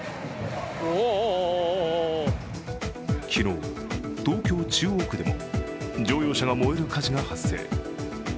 昨日、東京・中央区でも乗用車が燃える火事が発生。